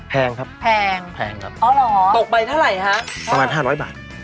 แพงครับแพงครับอ๋อเหรอตกไปเท่าไหร่ฮะประมาณ๕๐๐บาท